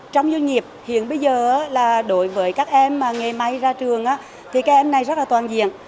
trong doanh nghiệp hiện bây giờ đối với các em nghề máy ra trường các em này rất toàn diện